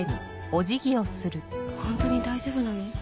ホントに大丈夫なの？